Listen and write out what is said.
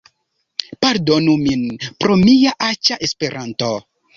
Pardonu min pro mia aĉa Esperanto